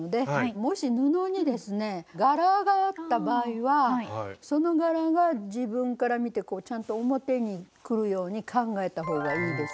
もし布にですね柄があった場合はその柄が自分から見てちゃんと表にくるように考えた方がいいです